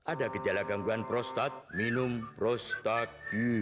ada gejala gangguan prostat minum prostat